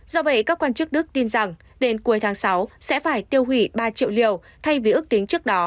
do vậy các quan chức đức tin rằng đến cuối tháng sáu sẽ phải tiêu hủy ba triệu liều thay vì ước tính trước đó